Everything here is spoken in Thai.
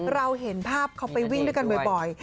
เราเห็นภาพเขาไปวิ่งด้วยกันบ่อย